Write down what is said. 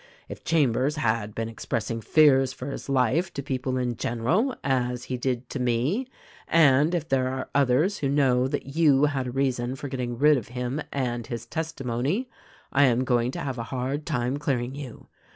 If Chambers has been expressing fears for his life to people in general as he did to me, and if there are others who know that you had a reason for getting rid of him and his testimony, I am going to have a hard time clearing you.